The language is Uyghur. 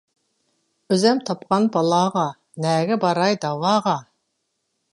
ئۆزۈم تاپقان بالاغا، نەگە باراي دەۋاغا.